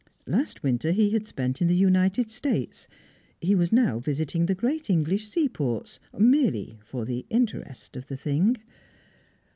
Last winter he had spent in the United States; he was now visiting the great English seaports, merely for the interest of the thing.